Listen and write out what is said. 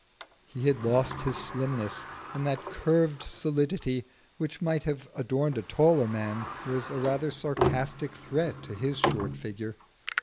He had lost his slimness, and that curved solidity which might have adorned a taller man was a rather sarcastic threat to his short figure.